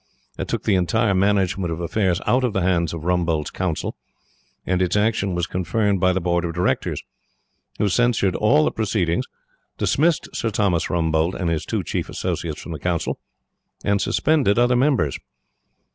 It took the entire management of affairs out of the hands of Rumbold's council; and its action was confirmed by the Board of Directors, who censured all the proceedings, dismissed Sir Thomas Rumbold and his two chief associates from the Council, and suspended other members.